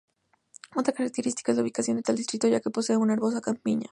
Otra característica es la ubicación de tal distrito ya que posee una hermosa campiña.